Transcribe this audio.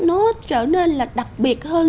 nó trở nên là đặc biệt hơn